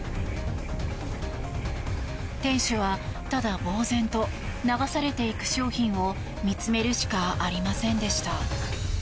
店主は、ただぼうぜんと流されていく商品を見つめるしかありませんでした。